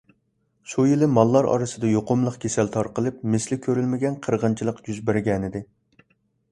شۇ يىلى ماللار ئارىسىدا يۇقۇملۇق كېسەل تارقىلىپ، مىسلى كۆرۈلمىگەن قىرغىنچىلىق يۈز بەرگەنىدى.